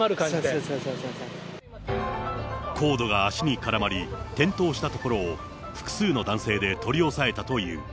コードが足に絡まり、転倒したところを、複数の男性で取り押さえたという。